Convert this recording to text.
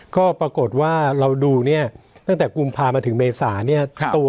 ก็ปรากฏว่าเราดูเนี่ยตั้งแต่กุมภามาถึงเมษาเนี่ย